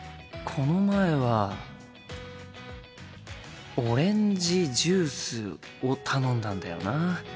この前はオレンジジュースを頼んだんだよな。